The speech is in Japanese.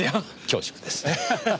恐縮です。